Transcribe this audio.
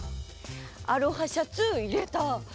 アロハシャツいれた。